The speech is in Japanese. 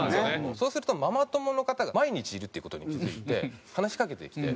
そうするとママ友の方が毎日いるっていう事に気付いて話しかけてきて。